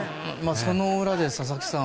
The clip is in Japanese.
その裏で佐々木さん